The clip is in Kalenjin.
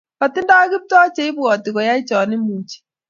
katindai Kiptoo cheibwati koai chon imuchi